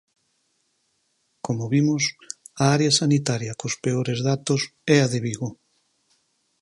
Como vimos, a área sanitaria cos peores datos é a de Vigo.